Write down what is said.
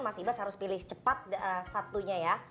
mas ibas harus pilih cepat satunya ya